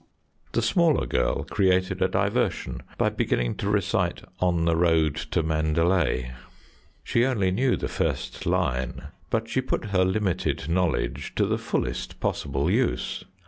The smaller girl created a diversion by beginning to recite "On the Road to Mandalay." She only knew the first line, but she put her limited knowledge to the fullest possible use.